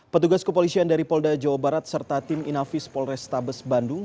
petugas kepolisian dari polda jawa barat serta tim inafis polrestabes bandung